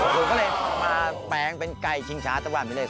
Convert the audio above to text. ลุงก็เลยมาแปลงเป็นไก่ชิงชาสวรรค์ไปเลย